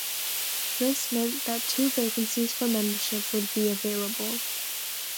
This meant that two vacancies for membership would be available.